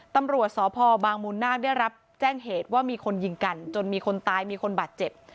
ตำรวจสพบางมูลนาคได้รับแจ้งเหตุว่ามีคนยิงกันจนมีคนตายมีคนบาดเจ็บ